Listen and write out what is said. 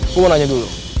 gue mau nanya dulu